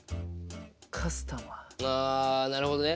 あなるほどね。